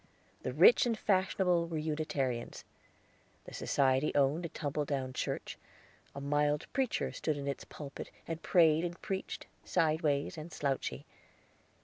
The rich and fashionable were Unitarians. The society owned a tumble down church; a mild preacher stood in its pulpit and prayed and preached, sideways and slouchy.